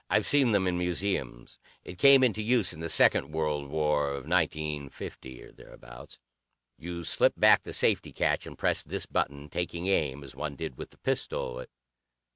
"I've seen them in museums. It came into use in the Second World War of 1950 or thereabouts. You slip back the safety catch and press this button, taking aim as one did with the pistol.